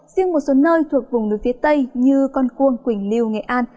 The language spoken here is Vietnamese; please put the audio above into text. riêng một số nơi thuộc vùng núi phía tây như con cuông quỳnh liêu nghệ an